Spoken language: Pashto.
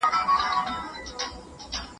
علمي خبره دا ده چې حالات سره وتړل سي.